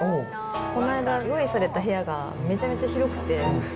この間、用意された部屋がめちゃめちゃ広くて。